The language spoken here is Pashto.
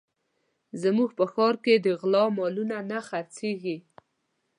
زموږ په ښار کې د غلا مالونه نه خرڅېږي